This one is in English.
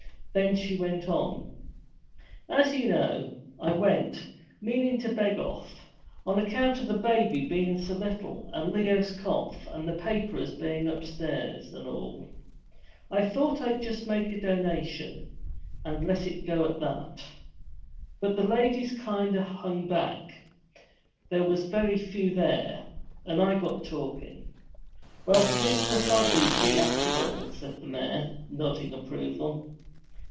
Then she went on: 'As you know, I went, meanin' to beg off. On account of baby bein' so little, and Leo's cough, and the paperers bein' upstairs and all! I thought I'd just make a donation, and let it go at that. But the ladies all kind of hung back there was very few there and I got talkin' ' 'Well, 't is but our dooty, after all,' said the mayor, nodding approval.